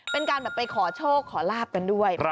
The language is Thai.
เป็นการแบบไปขอโชคขอลาบกันด้วย